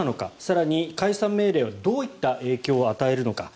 更に、解散命令はどういった影響を与えるのか。